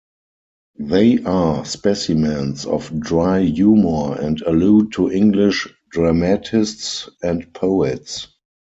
They are specimens of dry humour, and allude to English dramatists and poets.